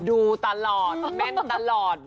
ดูตลอดแม่นตลอด